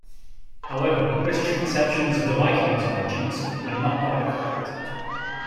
However, British conceptions of the Vikings' origins were not quite correct.